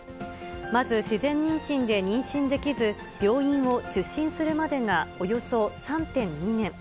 まず、自然妊娠で妊娠できず、病院を受診するまでがおよそ３．２年。